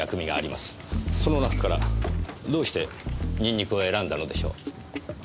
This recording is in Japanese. その中からどうしてニンニクを選んだのでしょう？